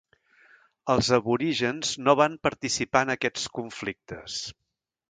Els aborígens no van participar en aquests conflictes.